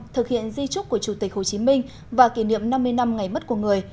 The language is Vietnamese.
thực hiện di trúc của chủ tịch hồ chí minh và kỷ niệm năm mươi năm ngày mất của người